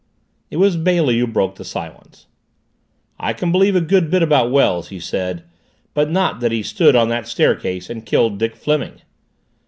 It was Bailey who broke the silence. "I can believe a good bit about Wells," he said, "but not that he stood on that staircase and killed Dick Fleming."